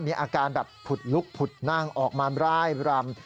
มีอาการแบบผุดลุกผุดนั่งออกมาร่ายรำ